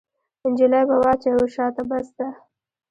نجلۍ به واچوي وشا ته بسته